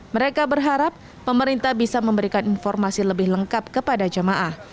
mereka berharap pemerintah bisa memberikan informasi lebih lengkap kepada jemaah